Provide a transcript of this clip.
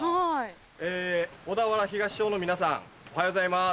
小田原東小の皆さんおはようございます。